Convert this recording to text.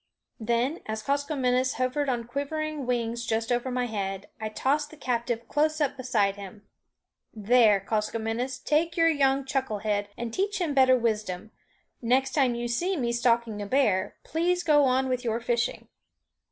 Then, as Koskomenos hovered on quivering wings just over my head, I tossed the captive close up beside him. "There, Koskomenos, take your young chuckle head, and teach him better wisdom. Next time you see me stalking a bear, please go on with your fishing."